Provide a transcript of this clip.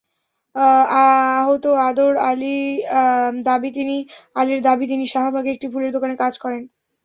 আহত আদর আলীর দাবি, তিনি শাহবাগে একটি ফুলের দোকানে কাজ করেন।